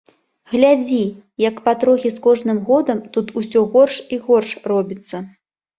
Глядзі, як патрохі з кожным годам тут усё горш і горш робіцца.